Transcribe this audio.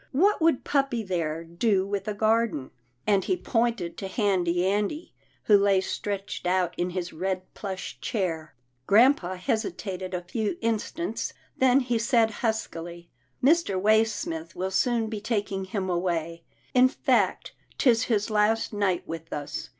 What would puppy, there, do with a garden?" and he pointed to Handy Andy who lay stretched out in his red plush chair. Grampa hesitated a few instants, then he said huskily, " Mr. Waysmith will soon be taking him away — in fact 'tis his last night with us.